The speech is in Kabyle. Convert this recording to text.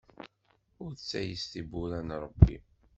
Ur ttayes tibbura n Ṛebbi!